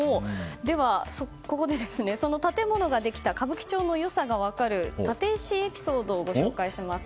では、ここでその建物ができた歌舞伎町の良さが分かるタテイシエピソードをご紹介します。